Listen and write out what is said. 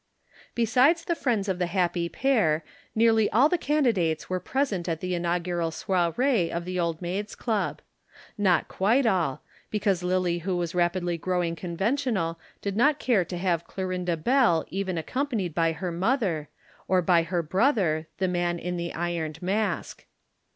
Besides the friends of the happy pair, nearly all the candidates were present at the inaugural soirée of the Old Maids' Club. Not quite all because Lillie who was rapidly growing conventional did not care to have Clorinda Bell even accompanied by her mother, or by her brother, the Man in the Ironed Mask.